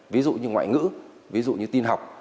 ví dụ như ngoại ngữ ví dụ như tin học